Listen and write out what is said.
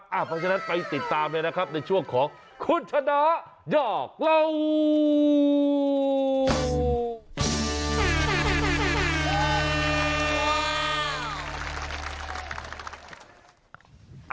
เพราะฉะนั้นไปติดตามเลยนะครับในช่วงของคุณชนะอยากเล่า